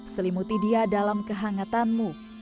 selimuti dia dalam kehangatanmu